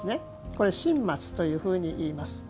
これは真松というふうにいいます。